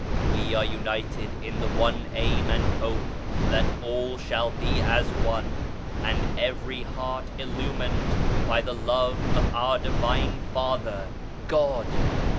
We are united in the one aim and hope that all shall be as one, and every heart illumined by the Love of our Divine Father, God